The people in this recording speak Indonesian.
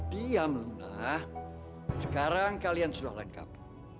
diam luna sekarang kalian sudah lengkap